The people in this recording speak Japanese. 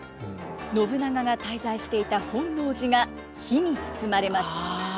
信長が滞在していた本能寺が火に包まれます。